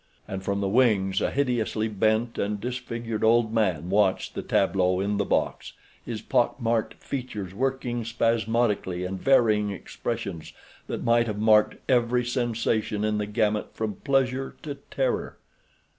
And from the wings a hideously bent and disfigured old man watched the tableau in the box, his pock marked features working spasmodically in varying expressions that might have marked every sensation in the gamut from pleasure to terror.